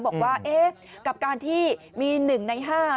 บอกว่ากับการที่มีหนึ่งในห้า